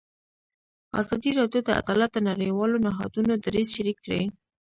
ازادي راډیو د عدالت د نړیوالو نهادونو دریځ شریک کړی.